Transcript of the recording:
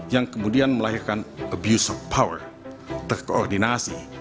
yang kemudian melahirkan abuse of power terkoordinasi